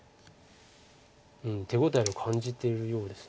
うん手応えを感じているようです。